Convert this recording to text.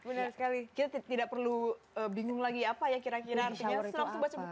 benar sekali kita tidak perlu bingung lagi apa ya kira kira artinya setelah kita baca bukunya bisa